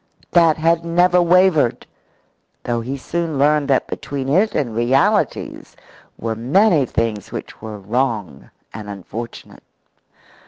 That had never wavered, though he soon learned that between it and realities were many things which were wrong and unfortunate.